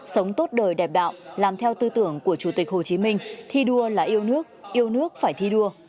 sống tốt đời đẹp đạo làm theo tư tưởng của chủ tịch hồ chí minh thi đua là yêu nước yêu nước phải thi đua